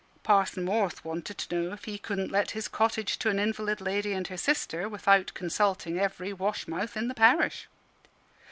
Parson Morth wanted to know if he couldn't let his cottage to an invalid lady and her sister without consulting every wash mouth in the parish.